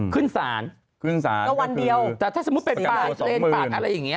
ขึ้นศาลก็คือประกันตัวสองหมื่นประกันตัวสองหมื่น